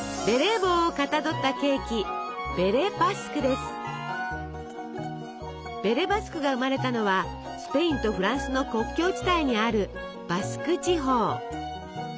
ベレー帽をかたどったケーキベレ・バスクが生まれたのはスペインとフランスの国境地帯にあるバスク地方。